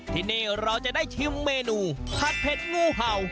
ที่นี่เราจะได้ชิมเมนูผัดเผ็ดงูเห่า